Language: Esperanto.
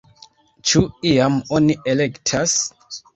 Ĉu iam oni elektas?